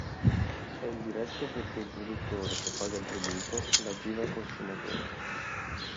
È indiretto perché il produttore, che paga il tributo, la gira al consumatore.